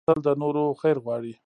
سوالګر تل د نورو خیر غواړي